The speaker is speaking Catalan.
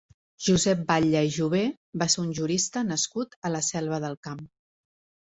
Josep Batlle i Jover va ser un jurista nascut a la Selva del Camp.